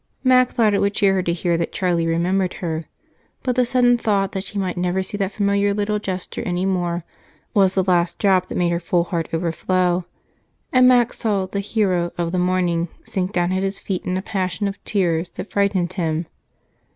Mac thought it would cheer her to hear that Charlie remembered her, but the sudden thought that she might never see the familiar little gesture anymore was the last drop that made her full heart overflow, and Mac saw the "hero" of the morning sink down at his feet in a passion of tears that frightened him.